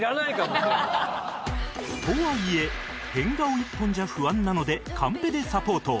とはいえ変顔一本じゃ不安なのでカンペでサポート